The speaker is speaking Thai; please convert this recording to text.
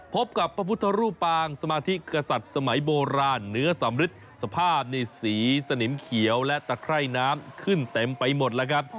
พบกับพระพุทธรูปปางสมาธิกษัตริย์สมัยโบราณเหนือสำรึด